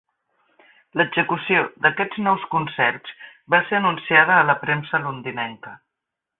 L'execució d'aquests nous concerts va ser anunciada a la premsa londinenca.